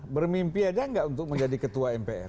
bermimpi aja nggak untuk menjadi ketua mpr